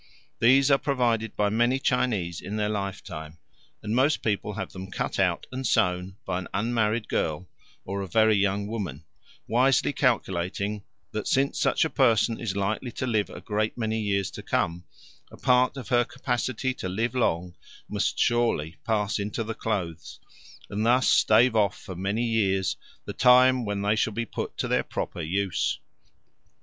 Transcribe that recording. These are provided by many Chinese in their lifetime, and most people have them cut out and sewn by an unmarried girl or a very young woman, wisely calculating that, since such a person is likely to live a great many years to come, a part of her capacity to live long must surely pass into the clothes, and thus stave off for many years the time when they shall be put to their proper use.